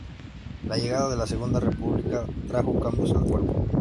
La llegada de la Segunda República trajo cambios al cuerpo.